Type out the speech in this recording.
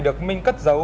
được minh cất giấu